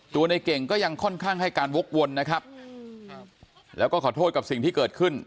ในเก่งก็ยังค่อนข้างให้การวกวนนะครับแล้วก็ขอโทษกับสิ่งที่เกิดขึ้น